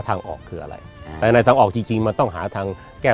ทางออกคืออะไรแต่ในทางออกจริงจริงมันต้องหาทางแก้